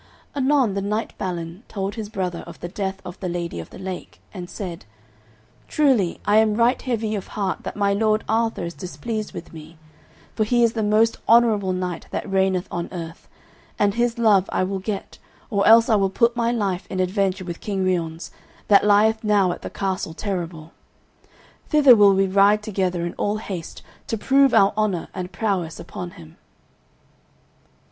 Anon the knight Balin told his brother of the death of the Lady of the Lake, and said: "Truly I am right heavy of heart that my lord Arthur is displeased with me, for he is the most honourable knight that reigneth on earth, and his love I will get or else I will put my life in adventure with King Ryons, that lieth now at the castle Terrabil. Thither will we ride together in all haste, to prove our honour and prowess upon him."